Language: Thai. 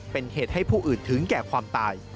เป็นเหตุให้ผู้อื่นถึงแก่ความตาย